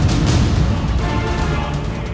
jika sampai habis umurku belum terakhir kembali